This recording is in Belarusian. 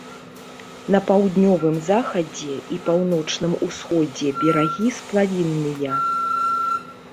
На паўднёвым захадзе і паўночным усходзе берагі сплавінныя.